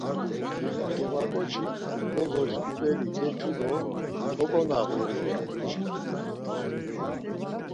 Germaǩoçik bozos ǩudeli geçu do oǩonağurinu.